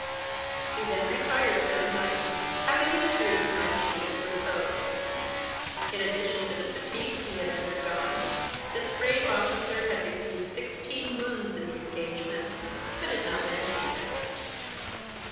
He then retired for the night, having in truth much need of repose. In addition to the fatigues he had undergone, this brave officer had received sixteen wounds in the engagement, but had not mentioned it.